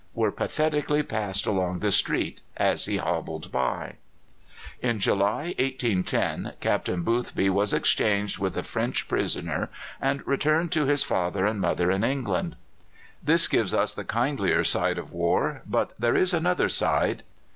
were pathetically passed along the street as he hobbled by." In July, 1810, Captain Boothby was exchanged with a French prisoner and returned to his father and mother in England. This gives us the kindlier side of war; but there is another side.